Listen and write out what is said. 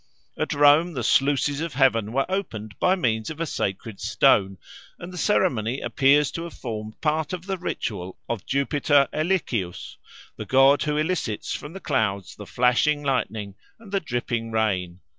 At Rome the sluices of heaven were opened by means of a sacred stone, and the ceremony appears to have formed part of the ritual of Jupiter Elicius, the god who elicits from the clouds the flashing lightning and the dripping rain.